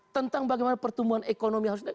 tentang bagaimana pertumbuhan ekonomi harus